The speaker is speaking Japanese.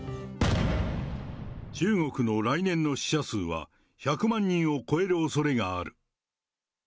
中国の来年の死者数は１００万人を超えるおそれがある。